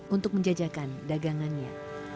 untuk menjajakan dagangannya